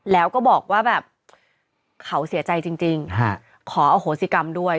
แล้วก็บอกว่าแบบเขาเสียใจจริงขออโหสิกรรมด้วย